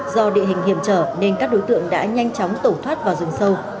do địa hình hiểm trở nên các đối tượng đã nhanh chóng tẩu thoát vào rừng sâu